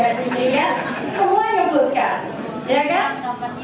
apa kasih yang sudah siap